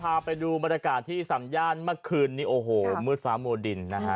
แล้วก็ไปดูบรรยากาศที่สัญญาณมากคืนนี้โอ้โหมืดฟ้ามัวดินนะฮะ